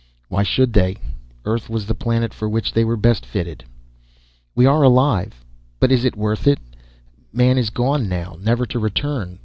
"Why should they? Earth was the planet for which they were best fitted." "We are alive but is it worth it? Man is gone now, never to return.